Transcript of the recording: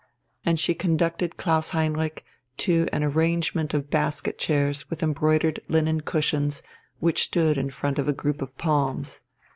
And she conducted Klaus Heinrich to an arrangement of basket chairs with embroidered linen cushions which stood in front of a group of palms.